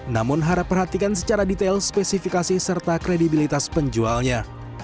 namun harap perhatikan secara detail spesifikasi serta kredibilitas penjualnya